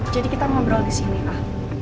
jadi kita ngobrol di sini pak